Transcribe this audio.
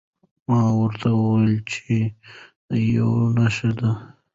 ما ورته وویل چې دا یوه نښه ده.